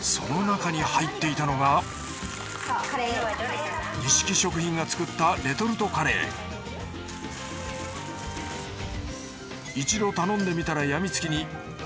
その中に入っていたのがにしき食品が作ったレトルトカレー一度頼んでみたらやみつきに。